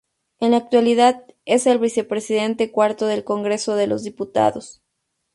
En la actualidad, es el Vicepresidente Cuarto del Congreso de los Diputados.